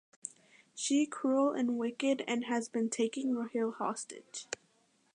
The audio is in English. She cruel and wicked and has been taking Rahil hostage.